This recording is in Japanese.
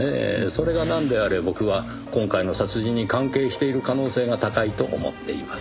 それがなんであれ僕は今回の殺人に関係している可能性が高いと思っています。